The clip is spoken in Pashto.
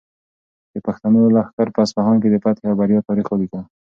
د پښتنو لښکر په اصفهان کې د فتحې او بریا تاریخ ولیکه.